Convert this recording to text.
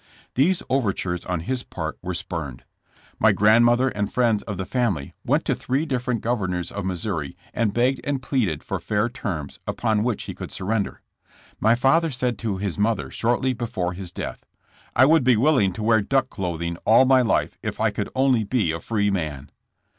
These overtures on his part were spurned. My grandmother and friends of the family went to three different governors of Missouri and begged and pleaded for fair terms upon which he could sur render. My father said to his mother shortly before his death: ''I would be willing to wear duck clothing all my life if I could only be a free man.'